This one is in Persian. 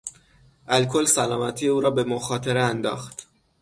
الکل سلامتی او را به مخاطره انداخت.